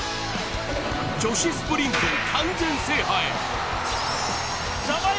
女子スプリント完全制覇へ。